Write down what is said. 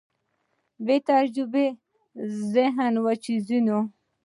بېتجربې ذهن وچېږي.